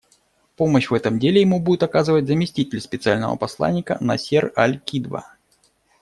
Помощь в этом деле ему будет оказывать заместитель Специального посланника Насер аль-Кидва.